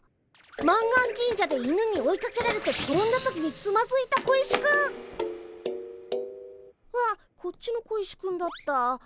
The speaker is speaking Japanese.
満願神社で犬に追いかけられて転んだ時につまずいた小石くん。はこっちの小石くんだった。